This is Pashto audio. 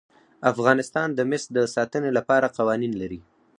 افغانستان د مس د ساتنې لپاره قوانین لري.